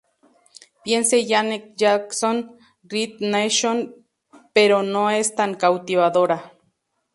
Piense Janet Jackson "Rhythm Nation", pero no es tan cautivadora".